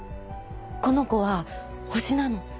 この子は星なの。